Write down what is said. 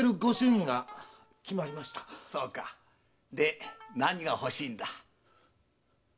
そうかで何が欲しいんだ？